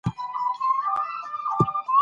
فرهنګ زموږ دودونه، رواجونه او ټولنیز اصول رانغاړي.